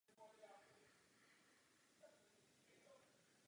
Přistoupily k právnímu závazku a splnily jeho kritéria.